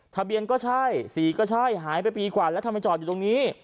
ทะเบียนก็ใช่สีก็ใช่หายไปปีกว่าแล้วทำไมจอดอยู่ตรงนี้